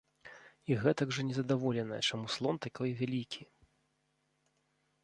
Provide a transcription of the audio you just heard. І гэтак жа незадаволеныя, чаму слон такой вялікі.